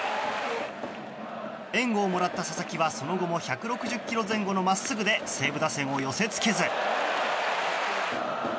援護をもらった佐々木はその後も１６０キロ前後のまっすぐで西武打線を寄せ付けず。